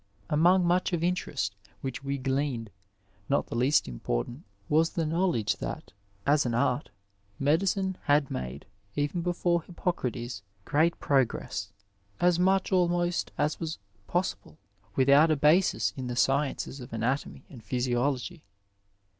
Among much of interest which we gleaned, not the least important was the knowledge that as an art, medicine had made, even before Hippocrates, great progress, as much almost as was possible without a basis in the sciences of anatomy and physiology.